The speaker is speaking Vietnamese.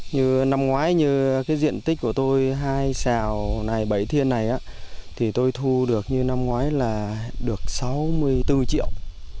như năm ngoái như cái diện tích của tôi hai xào này bảy thiên này thì tôi thu được như năm ngoái là được sáu mươi bốn triệu